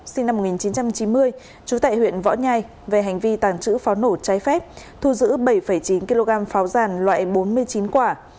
sinh năm một nghìn chín trăm chín mươi trú tại huyện võ nhai về hành vi tàng trữ pháo nổ trái phép thu giữ bảy chín kg pháo giàn loại bốn mươi chín quả